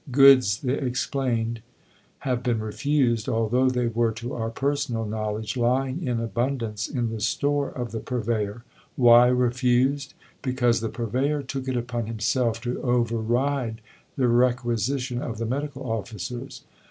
Goods, they explained, "have been refused, although they were, to our personal knowledge, lying in abundance in the store of the Purveyor." Why refused? Because the Purveyor took it upon himself to override the requisition of the medical officers?